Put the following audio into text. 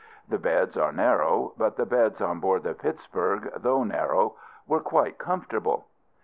The beds are narrow. But the beds on board the Pittsburg, though narrow, were quite comfortable.